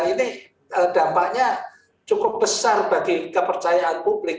ini dampaknya cukup besar bagi kepercayaan publik